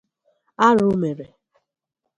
Arụ mere